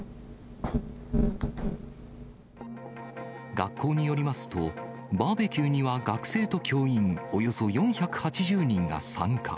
学校によりますと、バーベキューには学生と教員およそ４８０人が参加。